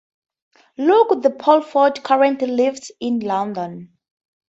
Luke de Pulford currently lives in London.